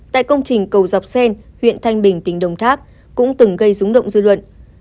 tại công trình cầu dọc xen huyện thanh bình tỉnh đồng tháp cũng từng gây rúng động dư luận